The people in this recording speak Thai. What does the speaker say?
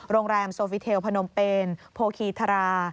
โรงแรมโซฟิเทลพนมเปนโพคีธารา